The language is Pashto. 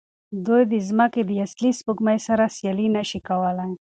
دوی د ځمکې د اصلي سپوږمۍ سره سیالي نه شي کولی.